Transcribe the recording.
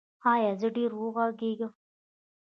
ایا زه ډیر وغږیدم؟